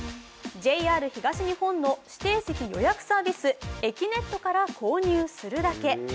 ＪＲ東日本の指定席予約サービス、えきねっとから購入するだけ。